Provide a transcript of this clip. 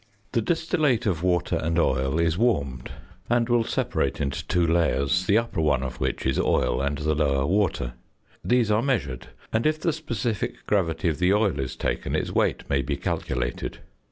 The distillate of water and oil is warmed, and will separate into two layers, the upper one of which is oil, and the lower water. These are measured, and if the specific gravity of the oil is taken, its weight may be calculated.